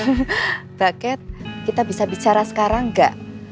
mbak kat kita bisa bicara sekarang ga